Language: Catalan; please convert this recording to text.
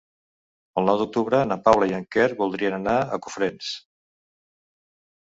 El nou d'octubre na Paula i en Quer voldrien anar a Cofrents.